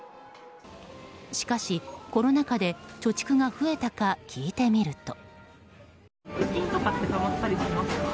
しかし、コロナ禍で貯蓄が増えたか聞いてみると。